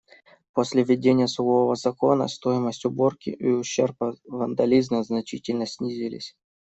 После введения сухого закона стоимость уборки и ущерб от вандализма значительно снизились.